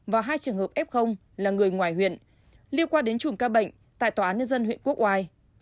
và hai trường hợp f là người ngoài huyện liên quan đến chùm ca bệnh tại tòa án nhân dân huyện quốc oai